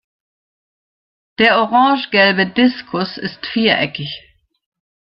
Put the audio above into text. Der orange-gelbe Diskus ist viereckig.